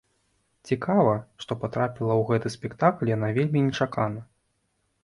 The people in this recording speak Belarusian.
Цікава, што патрапіла ў гэты спектакль яна вельмі нечакана.